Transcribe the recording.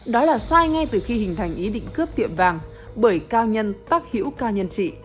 đó là sai ngay từ khi hình thành ý định cướp tiệm vàng bởi cao nhân tắc hiểu cao nhân trị